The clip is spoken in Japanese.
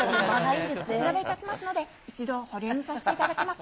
お調べいたしますので、一度保留にさせていただきます。